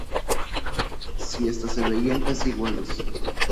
Si hasta se veían casi iguales.